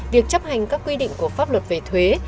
việc chấp hành các quy định của pháp luật về thuế